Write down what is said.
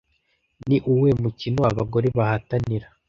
Ni uwuhe mukino abagore bahatanira